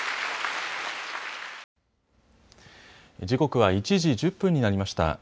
時刻は１時１０分になりました。